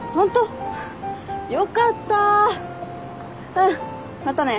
うん。またね。